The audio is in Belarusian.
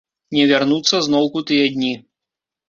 Не вярнуцца зноўку тыя дні.